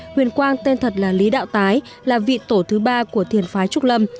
huyền quang tên thật là lý đạo tái là vị tổ thứ ba của thiền phái trúc lâm